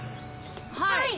はい。